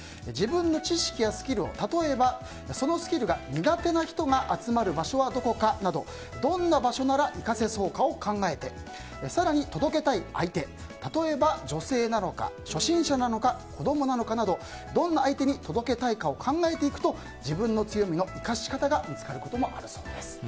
自分の知識やスキルを例えば、そのスキルを苦手な人が集まる場所はどこかなど、どんな場所なら生かせそうかを考えて更に届けたい相手例えば女性なのか初心者なのか、子供なのかなどどんな相手に届けたいか考えていくと自分の強みの生かし方が見つかることもあるそうです。